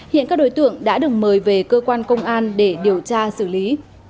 hiện các đối tượng đã được mời về cơ quan công an để điều tra xử lý